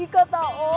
saya akan beritahu